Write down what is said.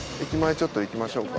ちょっと行きましょうか。